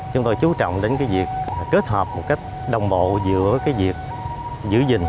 chúng tôi chú trọng đến việc kết hợp một cách đồng bộ giữa việc giữ gìn